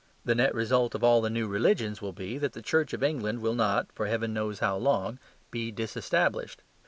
The net result of all the new religions will be that the Church of England will not (for heaven knows how long) be disestablished.